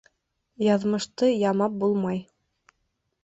Яҙмышты ямап булмай.